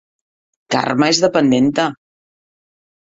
Carme és dependenta